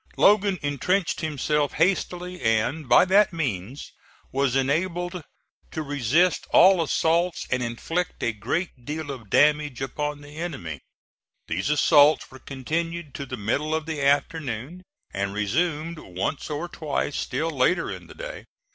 Logan intrenched himself hastily, and by that means was enabled to resist all assaults and inflict a great deal of damage upon the enemy. These assaults were continued to the middle of the afternoon, and resumed once or twice still later in the day.